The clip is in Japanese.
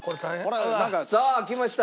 さあきました。